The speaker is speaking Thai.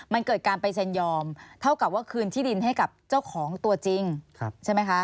มันเกิดการไปเซ็นยอมเท่ากับว่าคืนที่ดินให้กับเจ้าของตัวจริงใช่ไหมคะ